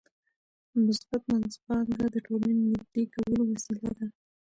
مثبت منځپانګه د ټولنې نږدې کولو وسیله ده.